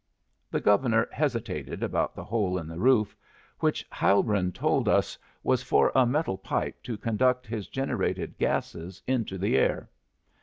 The Governor hesitated about the hole in the roof, which Hilbrun told us was for a metal pipe to conduct his generated gases into the air.